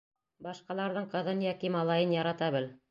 Башҡаларҙың ҡыҙын йәки малайын ярата бел.